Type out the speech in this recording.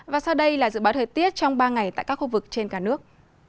và sau đây là dự báo thời tiết trong ba ngày tại các khu vực trên cả nước